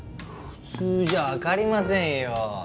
「普通」じゃわかりませんよ。